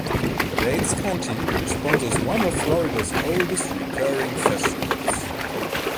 Glades County sponsors one of Florida's oldest recurring festivals.